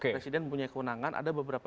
presiden punya kewenangan ada beberapa